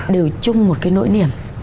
đều chung một cái nỗi niềm